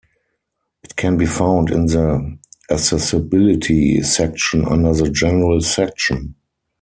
It can be found in the Accessibility section under the General section.